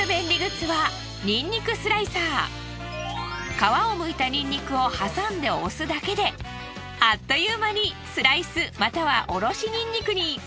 皮をむいたにんにくを挟んで押すだけであっという間にスライスまたはおろしにんにくに。